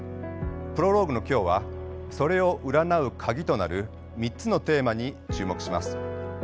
プロローグの今日はそれを占う鍵となる３つのテーマに注目します。